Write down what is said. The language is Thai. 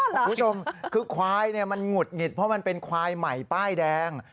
คุณผู้ชมคือควายมันหงุดหงิดเพราะมันเป็นควายใหม่ป้ายแดง